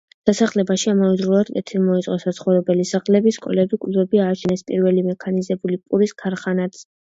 დასახლებაში ამავდროულად კეთილმოეწყო საცხოვრებელი სახლები, სკოლები, კლუბები, ააშენეს პირველი მექანიზებული პურის ქარხანაც.